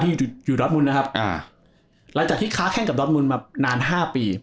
อยู่อยู่ดอสมุนนะครับอ่าหลังจากที่ค้าแข้งกับดอสมุนมานานห้าปี